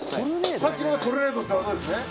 さっきのがトルネードって技ですね。